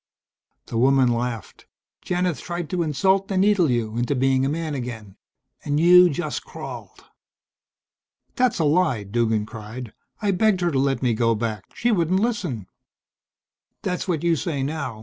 The woman laughed. "Janith tried to insult and needle you into being a man again. And you just crawled." "That's a lie," Duggan cried. "I begged her to let me go back. She wouldn't listen." "That's what you say now.